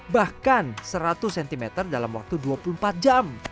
bahkan seratus cm dalam waktu dua puluh empat jam